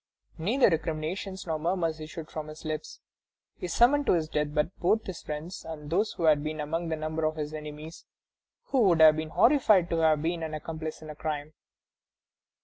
Neither recriminations nor murmurs issued from his lips. He summoned to his death bed both his friends and those who had been among the number of his enemies, but would have been horrified to have been accomplices in a crime.